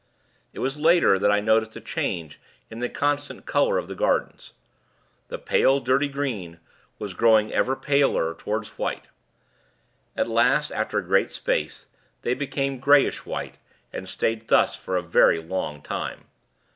It was later, that I noticed a change in the constant color of the gardens. The pale, dirty green was growing ever paler and paler, toward white. At last, after a great space, they became greyish white, and stayed thus for a very long time.